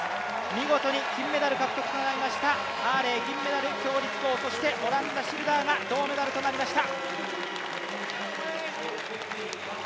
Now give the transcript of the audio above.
見事に金メダル獲得となりました、アーレイ金メダル、銀メダル、鞏立コウ、オランダシルダーが銅メダルとなりました。